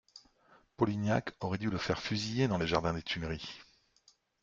Polignac aurait dû le faire fusiller dans le jardin des Tuileries!